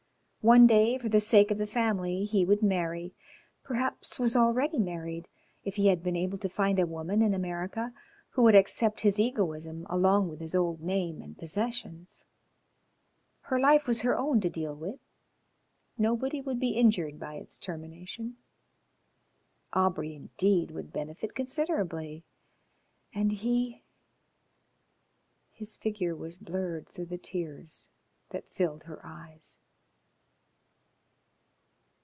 One day, for the sake of the family he would marry perhaps was already married if he had been able to find a woman in America who would accept his egoism along with his old name and possessions. Her life was her own to deal with. Nobody would be injured by its termination. Aubrey, indeed, would benefit considerably. And he ? His figure was blurred through the tears that filled her eyes.